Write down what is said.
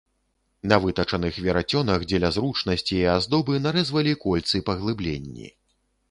На вытачаных верацёнах дзеля зручнасці і аздобы нарэзвалі кольцы-паглыбленні.